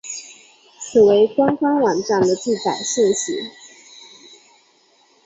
此为官方网站的记载顺序。